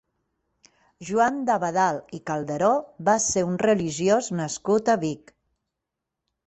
Joan d'Abadal i Calderó va ser un religiós nascut a Vic.